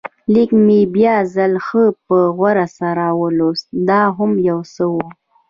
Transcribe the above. لیک مې بیا ځل ښه په غور سره ولوست، دا هم یو څه و.